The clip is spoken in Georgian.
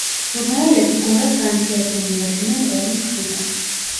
რომაელები გორას განთიადზე მიადგნენ ორი მხრიდან.